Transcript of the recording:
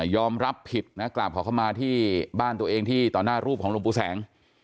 อมรับผิดนะกราบขอเข้ามาที่บ้านตัวเองที่ต่อหน้ารูปของหลวงปู่แสง